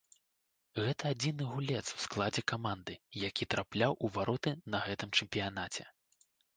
Гэта адзіны гулец у складзе каманды, які трапляў у вароты на гэтым чэмпіянаце.